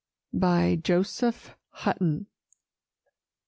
JOSEPH HUTTON.